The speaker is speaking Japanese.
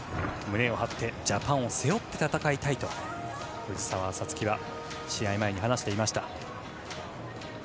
胸を張ってジャパンを背負って戦いたいと藤澤五月は試合前に話していました。